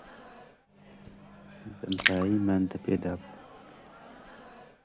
دەمپاییمان دەپێدا بوو.